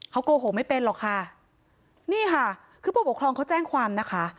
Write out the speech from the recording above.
เขาโกหกไม่เป็นหรอกค่ะนี่ค่ะคือผู้ปกครองเขาแจ้งความนะคะ